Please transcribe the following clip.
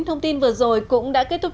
thông tin vừa rồi cũng đã kết thúc